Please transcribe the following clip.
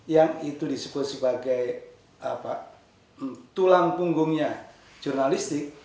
yang itu disebut sebagai tulang punggungnya jurnalistik